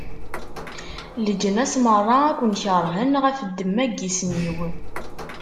Leǧnas meṛṛa ad ken-keṛhen ɣef ddemma n yisem-iw.